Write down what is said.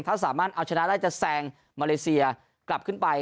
ถ้าสามารถเอาชนะได้จะแซงมาเลเซียกลับขึ้นไป